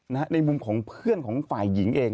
ในมุมของเพื่อนของฝ่ายหญิงเอง